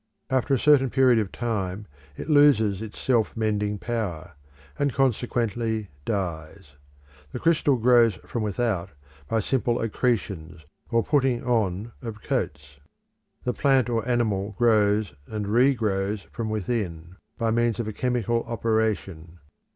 After a certain period of time it loses its self mending power, and consequently dies. The crystal grows from without by simple accretions or putting on of coats. The plant or animal grows and re grows from within by means of a chemical operation.